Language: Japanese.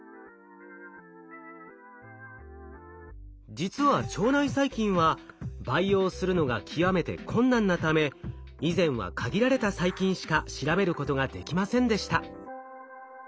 実は腸内細菌は培養するのが極めて困難なため以前は限られた細菌しか調べることができませんでした。